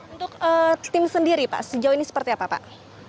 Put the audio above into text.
untuk tim sendiri pak sejauh ini seperti apa pak